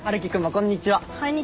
こんにちは。